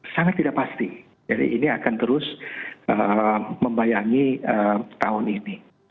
sangat tidak pasti jadi ini akan terus membayangi tahun ini